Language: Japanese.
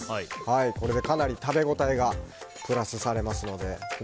これでかなり食べ応えがプラスされますので。